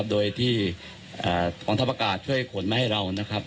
ใช่โดยที่ปักการณ์ช่วยขวดมาให้เรานะครับ